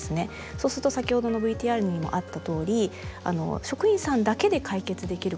そうすると先ほどのＶＴＲにもあったとおり職員さんだけで解決できることには限りがあると。